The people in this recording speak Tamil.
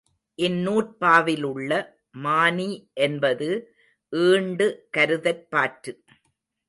இந்நூற்பாவிலுள்ள மானி என்பது ஈண்டு கருதற்பாற்று.